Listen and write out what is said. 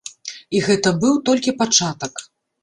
І гэта быў толькі пачатак.